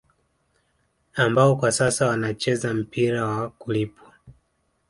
Ambao kwa sasa wanacheza mpira wa kulipwa